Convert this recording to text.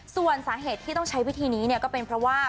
ส่วนสาเหตุที่ต้องใช้วิธีนี้ก็เป็นเพราะว่า